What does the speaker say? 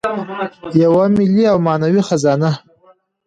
یوه ملي او معنوي خزانه.